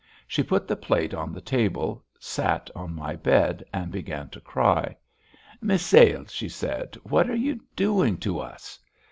She put the plate on the table, sat on my bed, and began to cry. "Misail," she said, "what are you doing to us?"